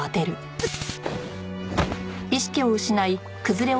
うっ！